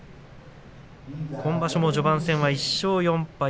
今場所も序盤戦は１勝４敗。